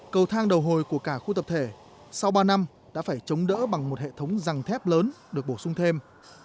cầu thang đầu hồi của cả khu tập thể sau ba năm đã phải chống đỡ bằng một hệ thống rẳng thép lớn được bổ sung thêm